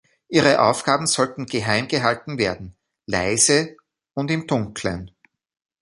Ihre Aufgaben sollten geheim gehalten werden, "leise" und "im Dunklen".